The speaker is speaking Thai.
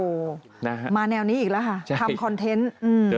โอ้โหมาแนวนี้อีกแล้วค่ะทำคอนเทนต์